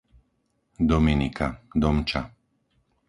Dominika, Domča